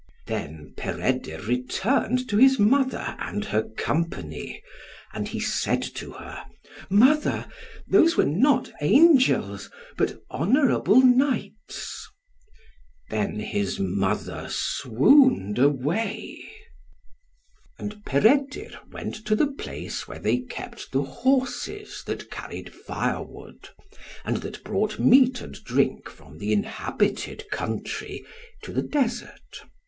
Then Peredur returned to his mother and her company, and he said to her, "Mother, those were not angels, but honourable knights." Then his mother swooned away. And Peredur went to the place where they kept the horses that carried firewood, and that brought meat and drink from the inhabited country to the desert.